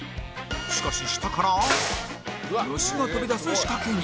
しかし下から虫が飛び出す仕掛けに